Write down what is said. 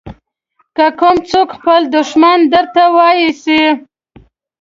که کوم څوک خپل دښمن درته واېسي.